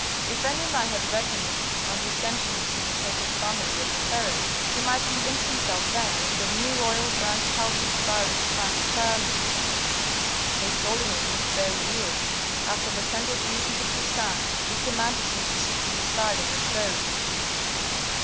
If any man had reckoned on dissensions in the sacred family of the pharaoh, he might convince himself then that the new royal branch held to its parent trunk firmly. His holiness looked very ill. After the tender greeting of his son, he commanded him to sit at the side of the throne.